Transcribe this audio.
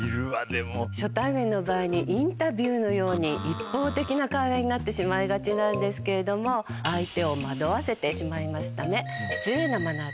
初対面の場合にインタビューのように一方的な会話になってしまいがちなんですけれども相手を惑わせてしまいましたね。